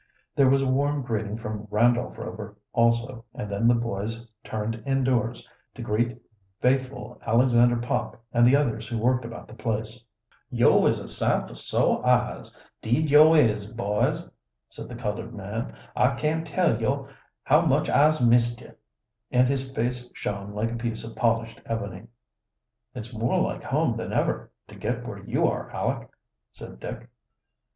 There was a warm greeting from Randolph Rover also, and then the boys turned indoors, to greet faithful Alexander Pop and the others who worked about the place. "Yo' is a sight fo' soah eyes, 'deed yo' is, boys," said the colored man. "I can't tell yo' how much I'se missed yo'!" And his face shone like a piece of polished ebony. "It's more like home than ever, to get where you are, Aleck," said Dick.